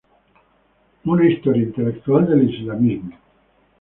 Una historia intelectual del islamismo".